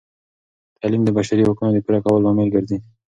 تعلیم د بشري حقونو د پوره کولو لامل ګرځي.